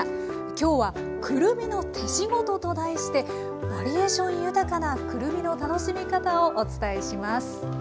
今日は「くるみの手仕事」と題してバリエーション豊かなくるみの楽しみ方をお伝えします。